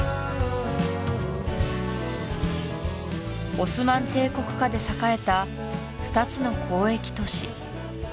オスマン帝国下で栄えた２つの交易都市